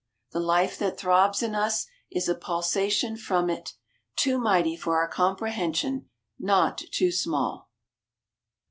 The life that throbs in us is a pulsation from it; too mighty for our comprehension, not too small.